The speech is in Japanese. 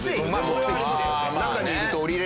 目的地で。